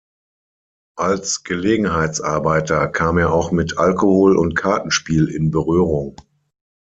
Als Gelegenheitsarbeiter kam er auch mit Alkohol und Kartenspiel in Berührung.